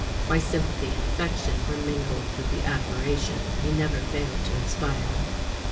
My sympathy and affection were mingled with the admiration he never failed to inspire.